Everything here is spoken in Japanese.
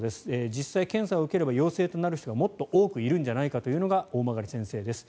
実際、検査を受ければ陽性となる人がもっと多くいるんじゃないかというのが大曲先生です。